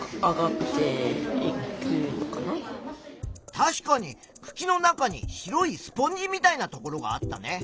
確かにくきの中に白いスポンジみたいなところがあったね。